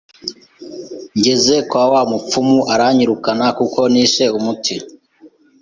ngeze kwa wa mupfumu aranyirukana kuko nishe umuti